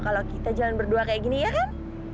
kalau kita jalan berdua kayak gini ya kan